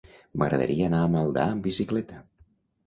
M'agradaria anar a Maldà amb bicicleta.